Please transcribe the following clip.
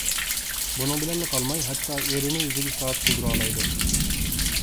بۇنىڭ بىلەنلا قالماي، ھەتتا ئېرىنى ئۆزىگە ئىتائەت قىلدۇرالايدۇ.